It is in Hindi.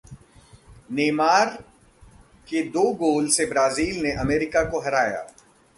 नेमार के दो गोल से ब्राजील ने अमेरिका को हराया